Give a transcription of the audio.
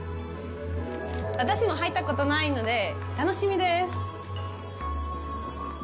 私も入ったことないので、楽しみです！